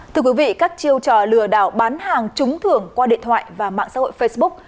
thưa quý vị các chiêu trò lừa đảo bán hàng trúng thưởng qua điện thoại và mạng xã hội facebook